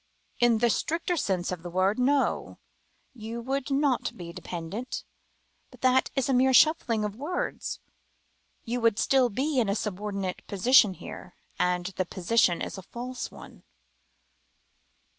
"In the stricter sense of the word, no, you would not be dependent. But that is a mere shuffling of words. You would still be in a subordinate position here, and the position is a false one."